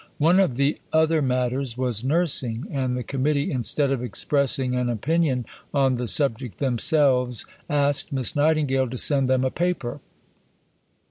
One of the "other matters" was nursing, and the Committee, instead of expressing an opinion on the subject themselves, asked Miss Nightingale to send them a Paper.